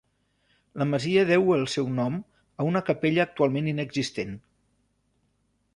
La masia deu el seu nom a una capella actualment inexistent.